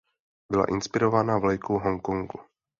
Byla inspirována vlajkou Hongkongu.